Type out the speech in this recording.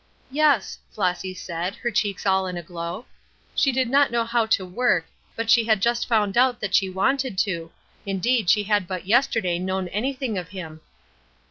"Yes," Flossy said, her cheeks all in a glow. "She did not know how to work, she had but just found out that she wanted to; indeed she had but yesterday known anything of Him."